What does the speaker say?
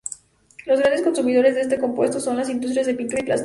Los grandes consumidores de este compuesto son las industrias de pinturas y plásticos.